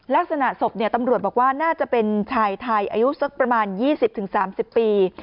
ลักษณะศพตำรวจบอกว่าน่าจะเป็นชายไทยอายุสักประมาณ๒๐๓๐ปี